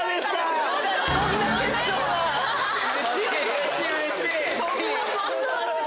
うれしいうれしい。